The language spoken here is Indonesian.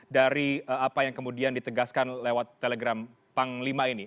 dari apa yang kemudian ditegaskan lewat telegram panglima ini